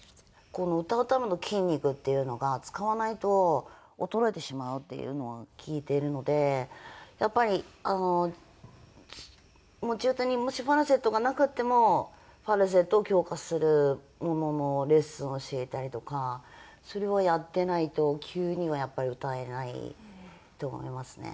この歌うための筋肉っていうのが使わないと衰えてしまうっていうのは聞いてるのでやっぱりあの持ち歌にもしファルセットがなくってもファルセットを強化するもののレッスンをしていたりとかそれをやっていないと急にはやっぱり歌えないと思いますね。